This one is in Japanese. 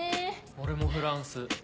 俺もフランス。